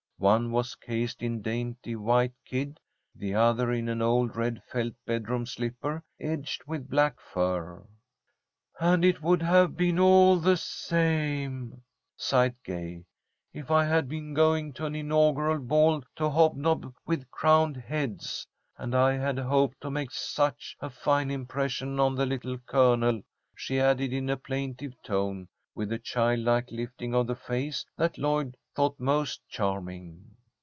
One was cased in dainty white kid, the other in an old red felt bedroom slipper, edged with black fur. "And it would have been all the same," sighed Gay, "if I had been going to an inaugural ball to hobnob with crowned heads. And I had hoped to make such a fine impression on the Little Colonel," she added, in a plaintive tone, with a childlike lifting of the face that Lloyd thought most charming.